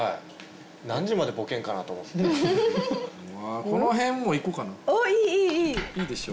何時までボケんかなと思ってこの辺もいこかなおっいいいいいいいいでしょ？